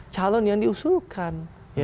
calon yang diusulkan